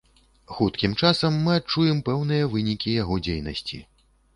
Хуткім часам мы адчуем пэўныя вынікі яго дзейнасці.